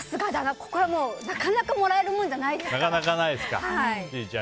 ここは、なかなかもらえるものじゃないですから。